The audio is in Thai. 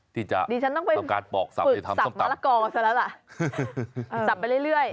ที่จะต้องการปอกสับที่ทำส้มตำดีฉันต้องไปปืดสับมะละกอเสร็จแล้วล่ะสับไปเรื่อย